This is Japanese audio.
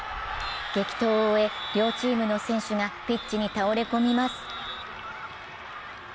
激闘を終え、両チームの選手がピッチに倒れ込みます。